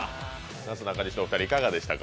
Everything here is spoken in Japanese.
なすなかにしのお二人、いかがでしたか。